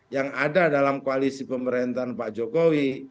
yang ada dalam koalisi pemerintahan pak jokowi